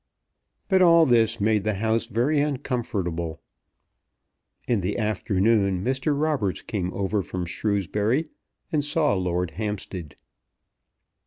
But all this made the house very uncomfortable. In the afternoon Mr. Roberts came over from Shrewsbury, and saw Lord Hampstead.